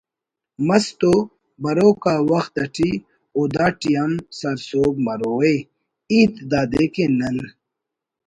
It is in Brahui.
مس تو بروک آ وخت اٹی او داٹی ہم سرسہب مروءِ ہیت دادے کہ نن